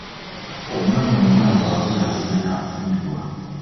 Omwana omuwala bw'akula agenda n'afumbirwa.